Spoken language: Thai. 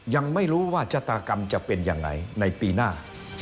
ยังไม่รู้ว่าชะตากรรมจะเป็นยังไงในปีหน้า